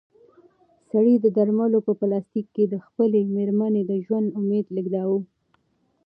سړي د درملو په پلاستیک کې د خپلې مېرمنې د ژوند امید لېږداوه.